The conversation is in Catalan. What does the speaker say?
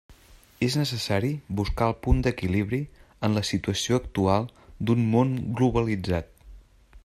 És necessari buscar el punt d'equilibri en la situació actual d'un món globalitzat.